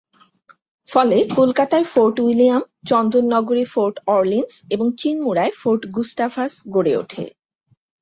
ফলে কলকাতায় Fort William, চন্দননগরে ফোর্ট অর্লিন্স এবং চিনমুরায় ফোর্ট গুস্টাভাস গড়ে উঠে।